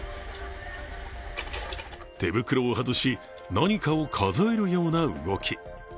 手袋を外し、何かを数えるような動き。